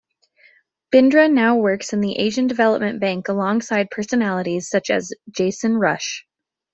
Bindra now works in the Asian Development Bank alongside personalities such as Jason Rush.